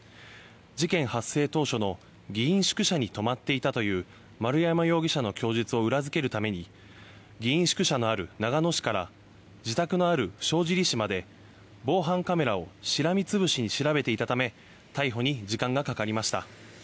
事件発生当初の議員宿舎に泊まっていたという丸山容疑者の供述を裏付けるために議員宿舎のある長野市から自宅のある塩尻市まで、防犯カメラをしらみつぶしに調べていたため逮捕に時間がかかりました。